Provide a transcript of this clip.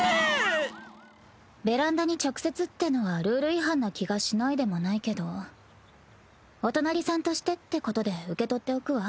ベランダに直接ってのはルール違反な気がしないでもないけどお隣さんとしてってことで受け取っておくわ。